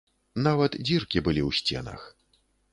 Нават дзіркі былі ў сценах.